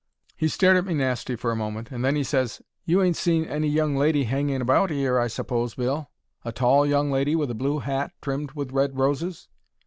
He stared at me nasty for a moment, and then 'e ses: "You ain't seen any young lady hanging about 'ere, I suppose, Bill? A tall young lady with a blue hat trimmed with red roses?"